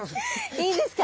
いいですか？